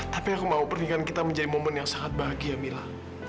tapi aku mau pernikahan kita menjadi momen yang sangat bahagia mila